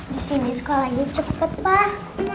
disini sekolahnya cepet pak